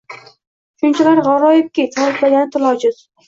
Shunchalar g’aroyibki, ta’riflagani til ojiz…